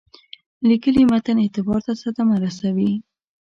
لیکلي متن اعتبار ته صدمه رسوي.